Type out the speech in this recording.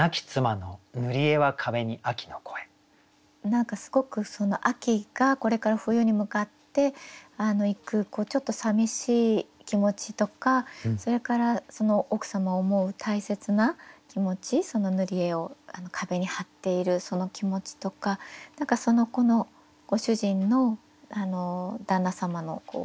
何かすごく秋がこれから冬に向かっていくちょっとさみしい気持ちとかそれから奥様を思う大切な気持ちぬり絵を壁に貼っているその気持ちとか何かこのご主人の旦那様の